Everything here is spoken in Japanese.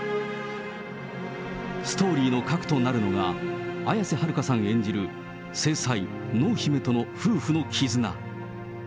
ストーリーの核となるのが、綾瀬はるかさん演じる正妻、濃姫との夫婦の絆。